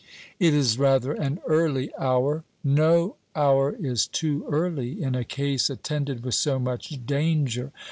"It is rather an early hour." "No hour is too early in a case attended with so much danger.